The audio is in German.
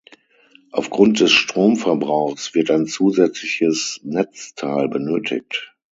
Aufgrund des Stromverbrauchs wird ein zusätzliches Netzteil benötigt.